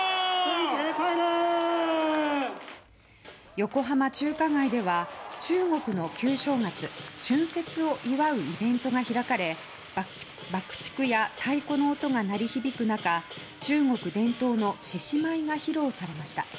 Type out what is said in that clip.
横浜中華街では中国の旧正月春節を祝うイベントが開かれ爆竹や太鼓の音が鳴り響く中中国伝統の獅子舞が披露されました。